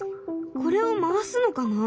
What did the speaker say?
これを回すのかな？